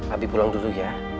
abi pulang dulu ya